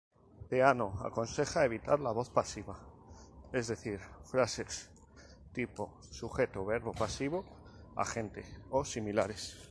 Peano aconseja evitar la voz pasiva, es decir, frases tipo Sujeto–Verbo pasivo–Agente, o similares.